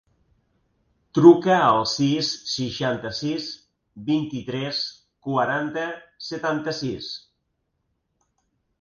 Truca al sis, seixanta-sis, vint-i-tres, quaranta, setanta-sis.